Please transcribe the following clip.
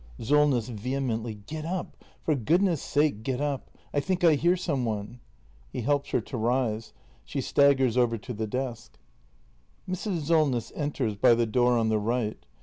Solness. {Vehemently.] Get up! For goodness' sake get up! I think I hear some one! [He helps her to rise. She staggers over to the desk. Mrs. Solness enters by the door on the right.